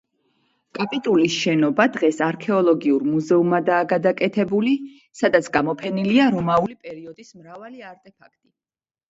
კაპიტულის შენობა დღეს არქეოლოგიურ მუზეუმადაა გადაკეთებული, სადაც გამოფენილია რომაული პერიოდის მრავალი არტეფაქტი.